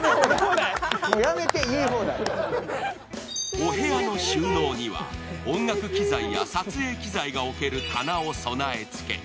お部屋の収納には音楽機材や撮影機材の置ける棚を備え付け。